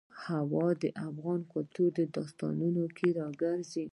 هوا د افغان کلتور په داستانونو کې راځي.